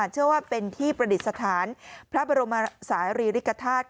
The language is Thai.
เชื่อว่าเป็นที่ประดิษฐานพระบรมศาลีริกฐาตุ